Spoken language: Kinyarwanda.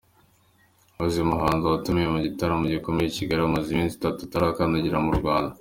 Rose Muhando watumiwe mu gitaramo gikomeye i Kigali amaze iminsi itatu atarakandagira mu Rwanda